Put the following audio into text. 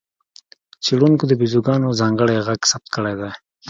څېړونکو د بیزوګانو ځانګړی غږ ثبت کړی دی.